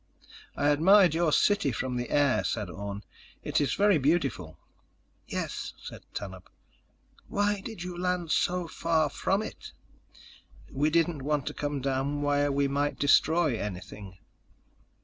"I admired your city from the air," said Orne. "It is very beautiful." "Yes," said Tanub. "Why did you land so far from it?" "We didn't want to come down where we might destroy anything."